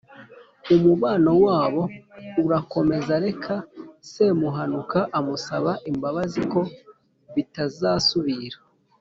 Umubano wabo urakomezareka Semuhanuka amusaba imbabazi ko bitazasubira.